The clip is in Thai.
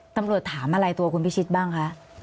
ตำรวจถามอะไรตัวคุณพิชิตบ้างคะ